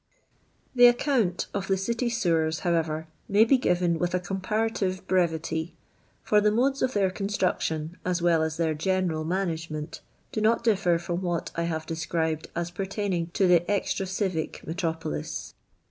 The account of the City sewen, however, may be given with a comparative brevity, for the modes of their constmctiony as well as their general management, do not di£fer from what I have described as pertaining to the extra civic metropolis.